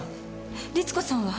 リツコさんは？